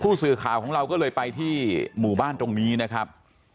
สื่อข่าวของเราก็เลยไปที่หมู่บ้านตรงนี้นะครับ